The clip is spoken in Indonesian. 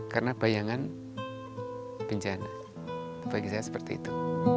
karena bayangan bencana bagi saya seperti itu